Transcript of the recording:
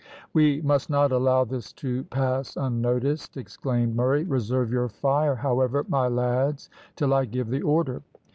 "We must not allow this to pass unnoticed," exclaimed Murray. "Reserve your fire, however, my lads, till I give the order."